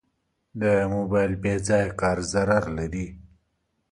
د موبایل بېځایه کار ضرر لري.